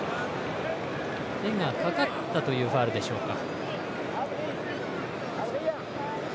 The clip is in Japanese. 手がかかったというファウルでしょうか。